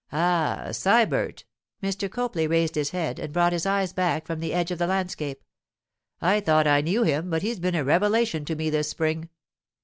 'Ah, Sybert!' Mr. Copley raised his head and brought his eyes back from the edge of the landscape. 'I thought I knew him, but he's been a revelation to me this spring.